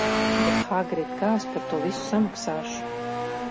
Bet Hagrid, kā es par to visu samaksāšu?